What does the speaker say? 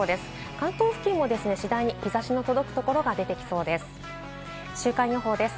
関東付近も次第に日差しの届く所が出てきそうです。